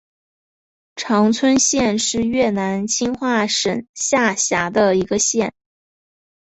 常春县是越南清化省下辖的一个县。